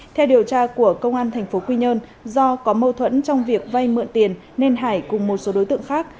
theo điều tra của công an tp quy nhơn do có mâu thuẫn trong việc vay mượn tiền nên hải cùng một số đối tượng khác